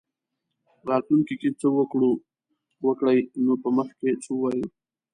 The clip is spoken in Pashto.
راتلونکې کې څه وکړي نو په مخ کې څه ووایو.